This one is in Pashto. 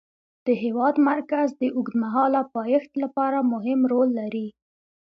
د هېواد مرکز د اوږدمهاله پایښت لپاره مهم رول لري.